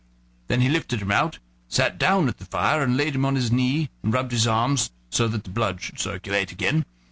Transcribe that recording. Then he lifted him out, sat down at the fire, laid him on his knee, and rubbed his arms that the blood should circulate again.